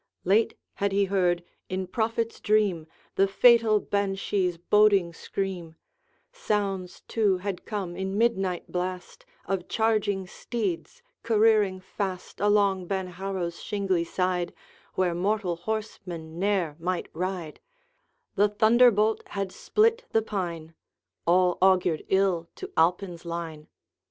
Late had he heard, in prophet's dream, The fatal Ben Shie's boding scream; Sounds, too, had come in midnight blast Of charging steeds, careering fast Along Benharrow's shingly side, Where mortal horseman ne'er might ride; The thunderbolt had split the pine, All augured ill to Alpine's line.